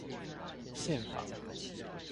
憲法